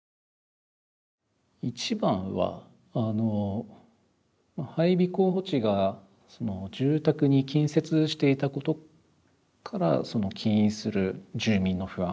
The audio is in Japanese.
一番はあの配備候補地が住宅に近接していたことから起因する住民の不安。